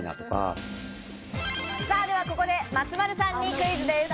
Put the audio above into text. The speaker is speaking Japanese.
ではここで松丸さんにクイズです。